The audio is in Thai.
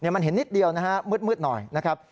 มันเห็นนิดเดียวนะฮะมืดหน่อยนะครับ